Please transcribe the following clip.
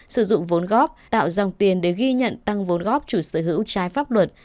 sử dụng vốn góp tạo dòng tiền để ghi nhận tăng vốn góp chủ sở hữu trái pháp luật